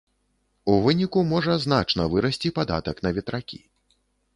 У выніку можа значна вырасці падатак на ветракі.